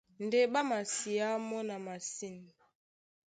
Ndé ɓá masiá mɔ́ na masîn.